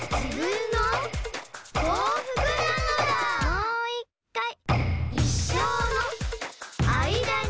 もういっかい！